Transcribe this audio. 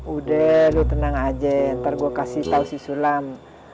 udah lu tenang aja ntar gue kasih tau si sulam